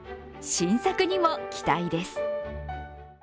新作にも期待です。